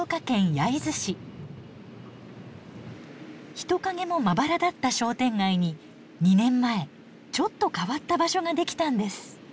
人影もまばらだった商店街に２年前ちょっと変わった場所ができたんです。